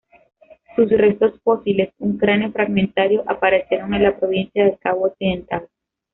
Sus restos fósiles, un cráneo fragmentario, aparecieron en la provincia del Cabo Occidental.